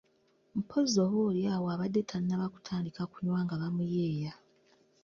Mpozzi oba oli awo abadde tannaba kutandika kunywa nga bamuyeeya.